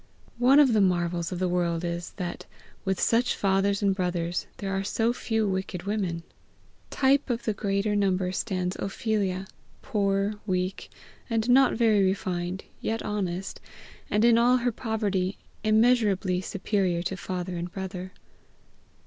One of the marvels of the world is, that, with such fathers and brothers, there are so few wicked women. Type of the greater number stands Ophelia, poor, weak, and not very refined, yet honest, and, in all her poverty, immeasurably superior to father and brother.